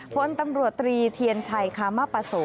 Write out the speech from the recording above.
ผู้ปนตำรวจตรีเทียนชัยคามปโป๊โส